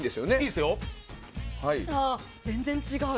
全然違う。